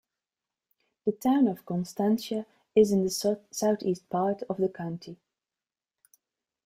The Town of Constantia is in the southeast part of the county.